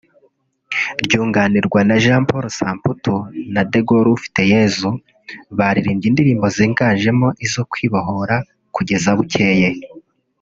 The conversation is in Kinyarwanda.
ryunganirwa na Jean Paul Samputu na De Gaulle Ufiteyezu baririmbye indirimbo ziganjemo izo kwibohora kugeza bukeye